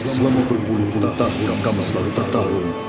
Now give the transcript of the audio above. selama berpuluh tahun kau selalu tertarung